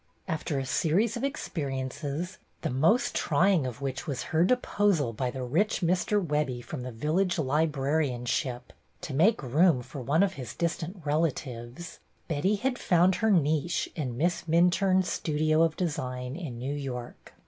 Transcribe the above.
After a series of experi ences, the most trying of which was her deposal by the rich Mr. Webbie from the village libra rianship to make room for one of his distant relatives, Betty had found her niche in Miss Minturne's Studio of Design, in New York.